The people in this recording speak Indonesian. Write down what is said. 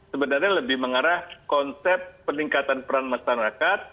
sebenarnya lebih mengarah konsep peningkatan peran masyarakat